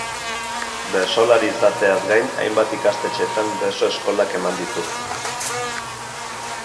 Bertsolari izateaz gain hainbat ikastetxetan bertso eskolak eman ditu.